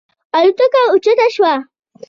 الوتکه اوچته شوه.